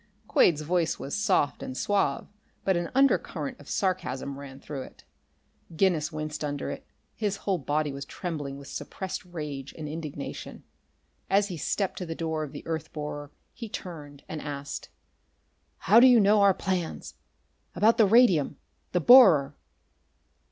Quade's voice was soft and suave, but an undercurrent of sarcasm ran through it. Guinness winced under it; his whole body was trembling with suppressed rage and indignation. As he stepped to the door of the earth borer he turned and asked: "How did you know our plans? About the radium? the borer?"